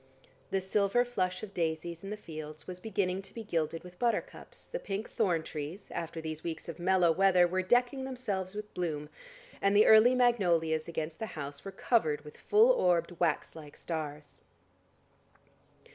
The silver flush of daisies in the fields was beginning to be gilded with buttercups, the pink thorn trees, after these weeks of mellow weather were decking themselves with bloom, and the early magnolias against the house were covered with full orbed wax like stars.